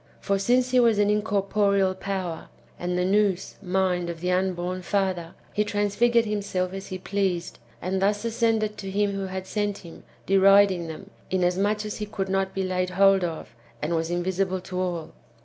For since he w^as an incorporeal power, and the Nous (mind) of the unborn father, he transfigured himself as he pleased, and thus ascended to him who had sent him, deriding them, inasmuch as he could not be laid hold of, and was invisible to all.